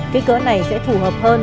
kích cỡ này sẽ phù hợp hơn